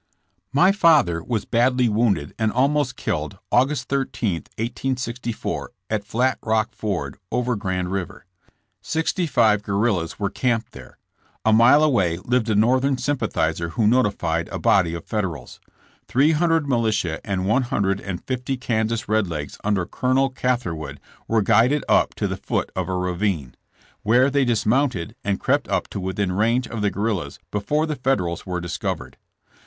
My father was badly wounded and almost killed August 13, 1864, at Flat Rock Ford, over Grand river. Sixty five guerrillas were camped there. A mile away lived a northern sympathizer who notified a body of Federals. Three hundred militia and one hundred and fifty Kansas Red Legs under Col. Cath erwood were guided up to the foot of a ravine, where they dismounted and crept up to within range of the guerrillas before the Federals were discovered.